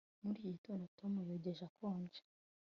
muri iki gitondo, tom yogeje akonje